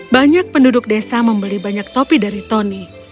banyak penduduk desa membeli banyak topi dari tony